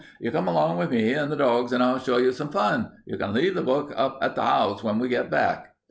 "You come along with me and the dogs and I'll show you some fun. You can leave the book up at the 'ouse when we get back."